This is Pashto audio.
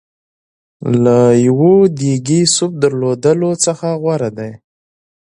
له یوه ډېګي سوپ درلودلو څخه غوره دی.